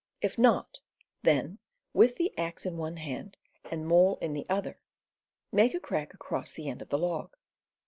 If not, then with the axe in one hand and maul in the other, make a crack across the end of the log.